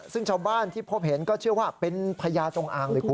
ซึ่งชาวบ้านที่พบเห็นก็เชื่อว่าเป็นพญาจงอางเลยคุณ